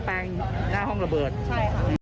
อ๋อมอบแรงหน้าห้องระเบิดใช่ค่ะ